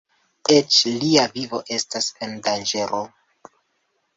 Eĉ lia vivo estas en danĝero.